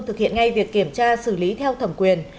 thực hiện ngay việc kiểm tra xử lý theo thẩm quyền